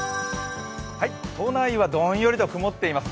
都内はどんよりと曇っています。